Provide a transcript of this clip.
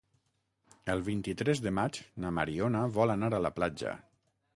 El vint-i-tres de maig na Mariona vol anar a la platja.